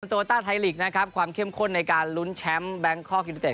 โตต้าไทยลีกนะครับความเข้มข้นในการลุ้นแชมป์แบงคอกยูนิเต็